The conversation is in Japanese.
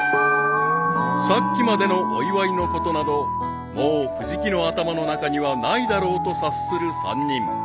［さっきまでのお祝いの事などもう藤木の頭の中にはないだろうと察する３人］